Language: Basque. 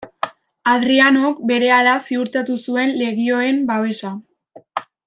Hadrianok berehala ziurtatu zuen legioen babesa.